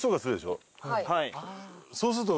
そうすると。